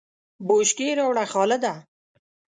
بشکی راوړه خالده !